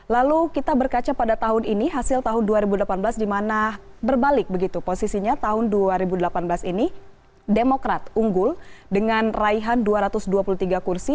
lalu kita berkaca pada tahun ini hasil tahun dua ribu delapan belas di mana berbalik begitu posisinya tahun dua ribu delapan belas ini demokrat unggul dengan raihan dua ratus dua puluh tiga kursi